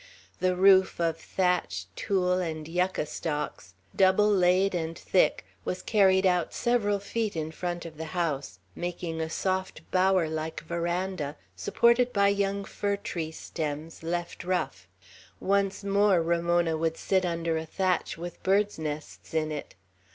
The roof, of thatch, tule, and yucca stalks, double laid and thick, was carried out several feet in front of the house, making a sort of bower like veranda, supported by young fir tree stems, left rough. Once more Ramona would sit under a thatch with birds' nests in it.